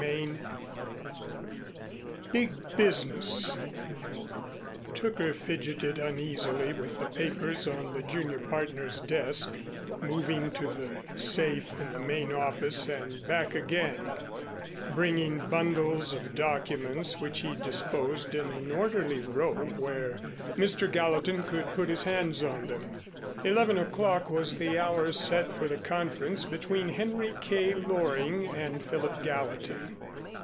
XXVI BIG BUSINESS Tooker fidgeted uneasily with the papers on the junior partner's desk, moving to the safe in the main office and back again, bringing bundles of documents which he disposed in an orderly row where Mr. Gallatin could put his hands on them. Eleven o'clock was the hour set for the conference between Henry K. Loring and Philip Gallatin.